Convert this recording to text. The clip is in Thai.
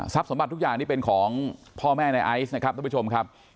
ทรัพย์สมบัติทุกอย่างนี้เป็นของพ่อแม่นายไอซ์นะครับทุกผู้ชมครับ